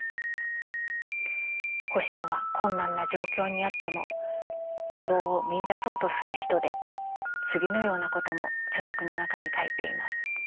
星野は困難な状況にあっても希望を見いだそうとする人で次のようなことも著作の中に書いています。